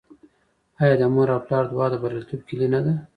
آیا د مور او پلار دعا د بریالیتوب کیلي نه ده؟